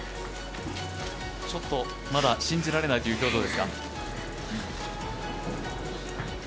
ちょっとまだ信じられないという表情ですか？